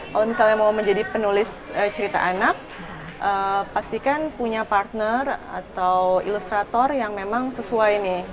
kalau misalnya mau menjadi penulis cerita anak pastikan punya partner atau ilustrator yang memang sesuai nih